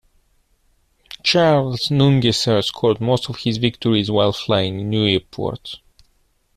Charles Nungesser scored most of his victories while flying Nieuports.